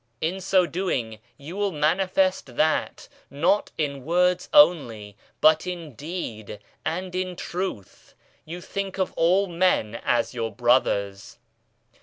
In so doing you will manifest that not in words only, but in deed and in truth, you think of all men as your brothers.